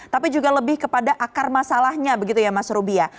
tapi juga lebih kepada akar masalahnya begitu ya mas rubia